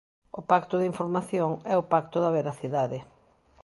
O pacto da información é o pacto da veracidade.